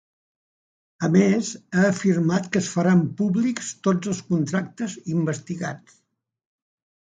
A més, ha afirmat que es faran públics tots els contractes investigats.